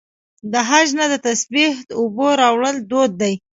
د حج نه د تسبیح او اوبو راوړل دود دی.